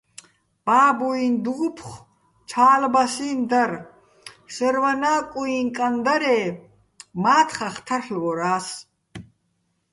ბაბუიჼ დუფხო̆ ჩა́ლბასიჼ დარ, შერვანა́ კუიჼ კან დარე́ მა́თხახ თარლ'ვორა́ს.